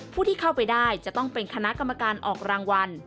ผู้ที่เข้าไปได้จะต้องเป็นคณะกรรมการออกรางวัล